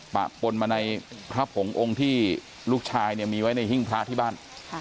ปะปนมาในพระผงองค์ที่ลูกชายเนี่ยมีไว้ในหิ้งพระที่บ้าน